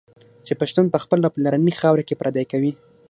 چي پښتون په خپلي پلرنۍ خاوره کي پردی کوي